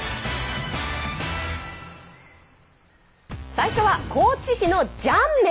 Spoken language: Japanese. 最初は高知市のジャン麺！